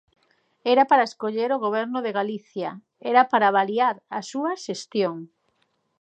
Era para escoller o Goberno de Galicia, era para avaliar a súa xestión.